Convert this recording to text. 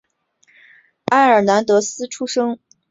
埃尔南德斯出生于墨西哥著名的足球家庭。